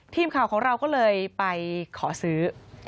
ทีมข่าวของเราก็เลยไปขอซื้อ